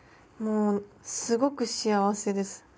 もうすごく幸せです。